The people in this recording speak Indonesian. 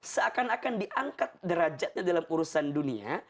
seakan akan diangkat derajatnya dalam urusan dunia